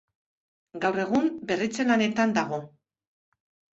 Gaur egun berritze lanetan dago.